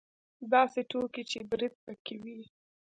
داسې ټوکې چې برید پکې وي.